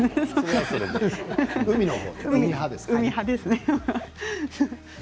海派です。